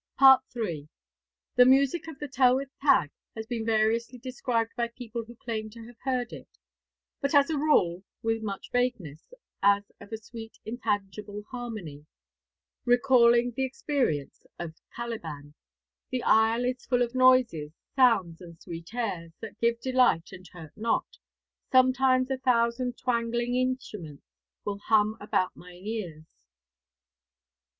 III. The music of the Tylwyth Teg has been variously described by people who claim to have heard it; but as a rule with much vagueness, as of a sweet intangible harmony, recalling the experience of Caliban: The isle is full of noises; Sounds, and sweet airs, that give delight, and hurt not. Sometimes a thousand twangling instruments Will hum about mine ears.